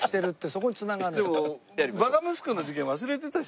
そこに繋がるの。